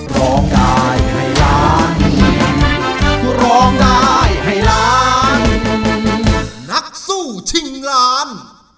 ร้องได้ให้ล้านร้องได้ให้ล้านนักสู้ชิงล้าน